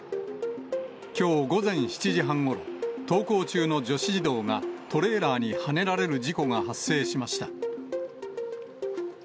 きょう午前７時半ごろ、登校中の女子児童がトレーラーにはねられる事故が発生しました。